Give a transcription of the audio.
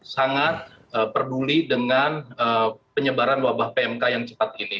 sangat peduli dengan penyebaran wabah pmk yang cepat ini